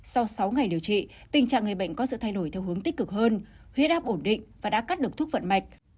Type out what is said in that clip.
sau sáu ngày điều trị tình trạng người bệnh có sự thay đổi theo hướng tích cực hơn huyết áp ổn định và đã cắt được thuốc vận mạch